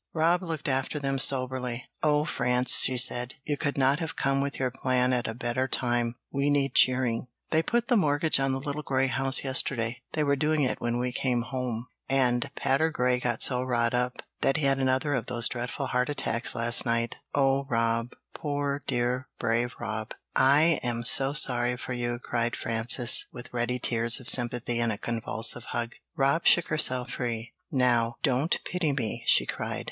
Rob looked after them soberly. "Oh, France," she said, "you could not have come with your plan at a better time we need cheering. They put the mortgage on the little grey house yesterday they were doing it when we came home. And Patergrey got so wrought up that he had another of those dreadful heart attacks last night." "Oh, Rob; poor, dear, brave Rob! I am so sorry for you!" cried Frances, with ready tears of sympathy and a convulsive hug. Rob shook herself free. "Now, don't pity me!" she cried.